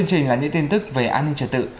chương trình là những tin tức về an ninh trật tự